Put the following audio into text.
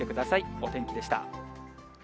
お天気でした。